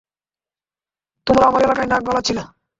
তোমরা আমার এলাকায় নাক গলাচ্ছিলে।